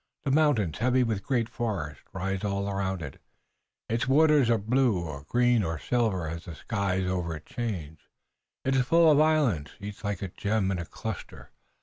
The mountains, heavy with the great forest, rise all around it. Its waters are blue or green or silver as the skies over it change. It is full of islands, each like a gem in a cluster.